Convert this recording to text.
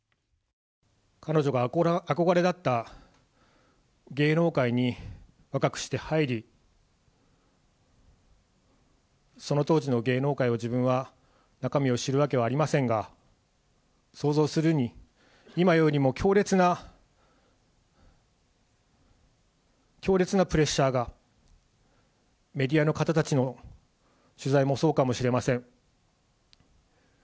彼女が憧れだった芸能界に若くして入り、その当時の芸能界を、自分は中身を知るわけはありませんが、想像するに、今よりも強烈な、強烈なプレッシャーが、メディアの方たちの取材もそうかもしれません。